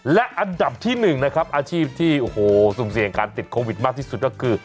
และอันดับที่๑นะครับอาชีพที่โอ้โหสุ่มเสี่ยงการติดโควิดมากที่สุดก็คือ